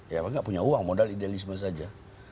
ya nggak punya uang modal idealisme saja